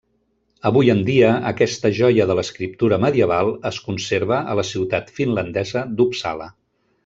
Avui en dia, aquesta joia de l'escriptura medieval es conserva a la ciutat finlandesa d'Uppsala.